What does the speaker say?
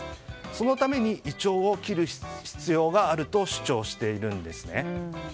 そのためにイチョウを切る必要があると主張しているんです。